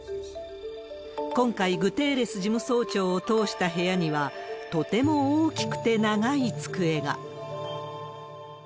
今回、グテーレス事務総長を通した部屋には、とても大きくて長い机が。